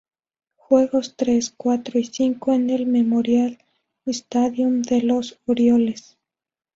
Juegos tres, cuatro y cinco en el Memorial Stadium de los Orioles.